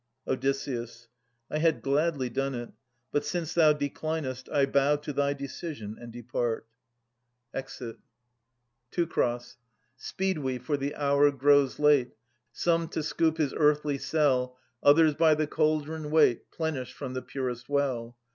Od. I had gladly done it; but, since thou declinest, I bow to thy decision, and depart. [^Exit. 1402 1419] Ams Teu. Speed we, for the hour grows late : Some to scoop his earthy cell, Others by the cauldron wait, Plenished from the purest well.